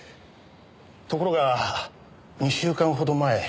ところが２週間ほど前。